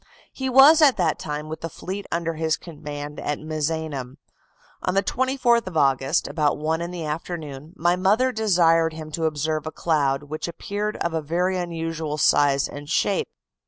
"He was at that time with the fleet under his command at Misenum. On the 24th of August, about one in the afternoon, my mother desired him to observe a cloud which appeared of a very unusual size and shape.